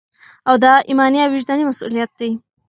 او دا ایماني او وجداني مسؤلیت